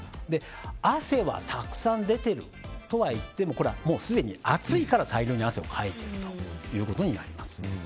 汗はたくさん出ているとはいってもこれはすでに暑いから大量に汗をかいているということになります。